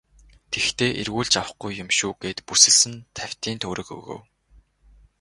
Тэгэхдээ эргүүлж авахгүй юм шүү гээд бүсэлсэн тавьтын төгрөг өгөв.